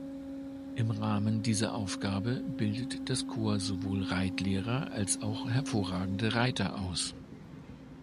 Im Rahmen dieser Aufgabe bildet das Corps sowohl Reitlehrer als auch hervorragende Reiter aus.